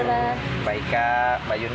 waalaikumsalam pak ibu iman